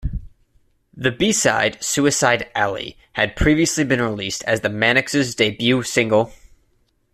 The B-side "Suicide Alley" had previously been released as the Manics' debut single.